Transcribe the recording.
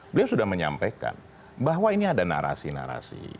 beliau sudah menyampaikan bahwa ini ada narasi narasi